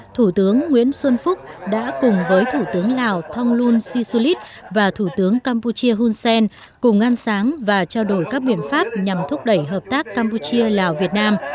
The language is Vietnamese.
thủ tướng nguyễn xuân phúc đã cùng với thủ tướng lào thonglun sisulit và thủ tướng campuchia hun sen cùng ngăn sáng và trao đổi các biện pháp nhằm thúc đẩy hợp tác campuchia lào việt nam